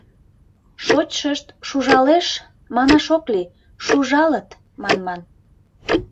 «Шочшышт шужалеш» манаш ок лий, «шужалыт» манман.